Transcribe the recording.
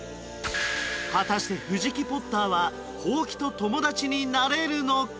果たして藤木ポッターはほうきと友達になれるのか？